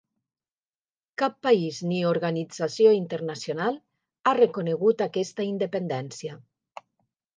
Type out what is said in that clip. Cap país ni organització internacional ha reconegut aquesta independència.